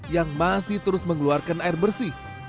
yang masih terus mengeluarkan air bersih